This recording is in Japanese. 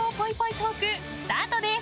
トークスタートです。